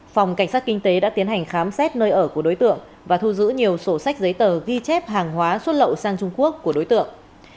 phòng cảnh sát kinh tế đã tiến hành khám xét nơi ở của đối tượng và thu giữ nhiều sổ sách giấy tờ ghi chép hàng hóa xuất lậu sang trung quốc của đối tượng